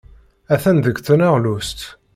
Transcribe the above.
Atan deg tneɣlust.